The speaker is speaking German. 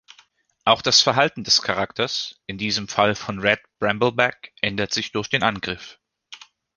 Auch das Verhalten des Charakters, in diesem Fall von Red Brambleback, ändert sich durch den Angriff.